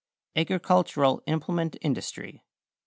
=Agricultural Implement Industry.